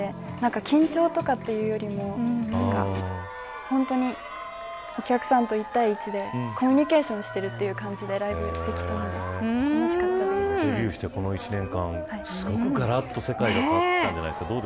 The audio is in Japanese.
緊張とかというよりもお客さんと一対一でコミュニケーションしてるという感じでライブできたのでデビューして、この１年間がらっと世界が変わったんじゃないですか。